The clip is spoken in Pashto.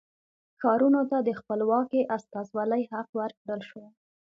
ښارونو ته د خپلواکې استازولۍ حق ورکړل شو.